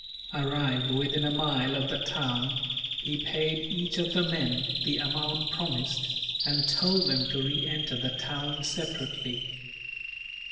Arrived within a mile of the town, he paid each of the men the amount promised, and told them to re enter the town separately.